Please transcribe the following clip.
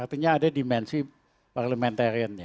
artinya ada dimensi parliamentariannya